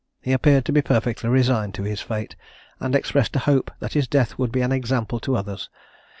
He appeared to be perfectly resigned to his fate, and expressed a hope that his death would be an example to others.